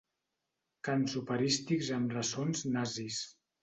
Cants operístics amb ressons nazis.